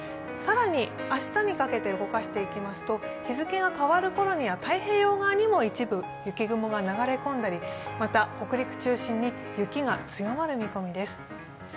更に明日にかけて動かしていきますと、日付が変わるころには太平洋側にも一部、雪雲が流れ込んだりまた北陸中心に雪が強まる見込みです。